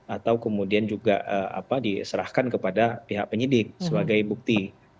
atau kemudian juga diserahkan kepada pihak penyidik sebagai bukti